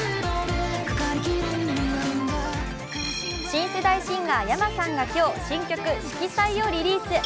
新世代シンガー・ｙａｍａさんが今日、新曲「色彩」をリリース。